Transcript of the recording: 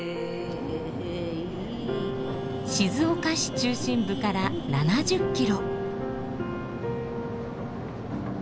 静岡市中心部から７０キロ。